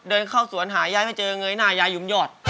เดินเข้าสวนหาย้ายไม่เจอไงฝ่ากายยุมยอด